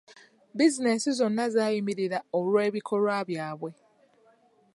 Bizinensi zonna zaayimirira olw'ebikolwa byabwe.